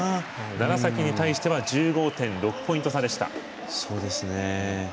楢崎に対しては１５．６ポイント差でした。